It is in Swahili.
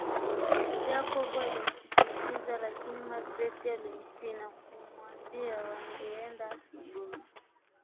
Jacob alimsisitiza lakini magreth alimsihi na kumambia wangeenda asubuhi